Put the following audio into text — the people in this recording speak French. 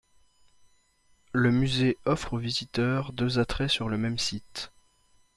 Le musée offre aux visiteurs deux attraits sur le même site.